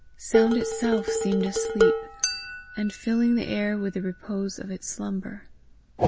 Sound itself seemed asleep, and filling the air with the repose of its slumber.